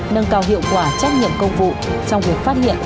nâng cao hiệu quả trách nhiệm công vụ trong việc phát hiện